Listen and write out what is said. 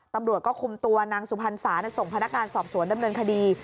ตำรวจก็คุมตัวนางสุพรรษาส่งพนักงานสอบสวนดำเนินคดี